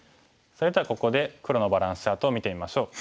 それではここで黒のバランスチャートを見てみましょう。